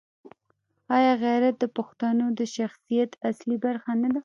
آیا غیرت د پښتون د شخصیت اصلي برخه نه ده؟